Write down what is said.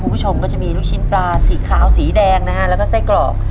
คุณผู้ชมก็จะมีลูกชิ้นปลาสีขาวสีแดงนะฮะแล้วก็ไส้กรอก